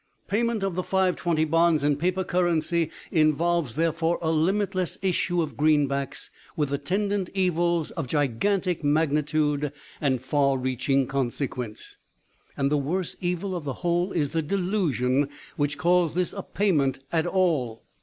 "Payment of the Five twenty bonds in paper currency involves therefore a limitless issue of greenbacks, with attendant evils of gigantic magnitude and far reaching consequence. And the worse evil of the whole is the delusion which calls this a payment at all.